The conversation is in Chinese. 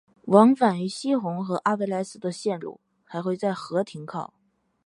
往返于希洪和阿维莱斯的线路还会在和停靠。